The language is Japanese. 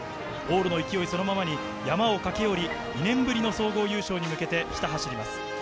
往路の勢いそのままに、山を駆け下り、２年ぶりの総合優勝に向けてひた走ります。